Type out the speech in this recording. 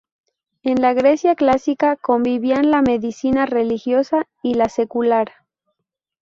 En la Grecia clásica convivían la medicina religiosa y la secular.